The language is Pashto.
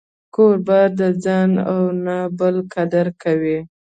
کوربه د ځان و نه بل قدر کوي.